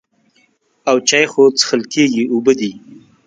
او چای خو څښل کېږي اوبه دي.